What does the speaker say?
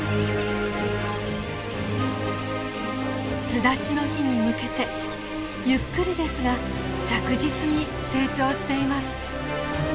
巣立ちの日に向けてゆっくりですが着実に成長しています。